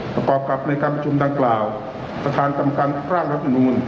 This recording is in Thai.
ประกอบกับในการประชุมดังกล่าวประธานกรรมการร่างรัฐมนูล